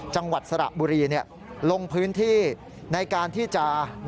จังหวัดสระบุรีลงพื้นที่ในการที่จะ